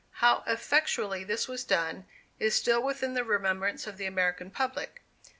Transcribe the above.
How effectually this was done, is still within the remembrance of the American public.